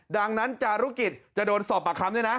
ดังนั้นจารุกิจจะโดนสอบปากคำด้วยนะ